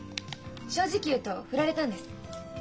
正直言うと振られたんです。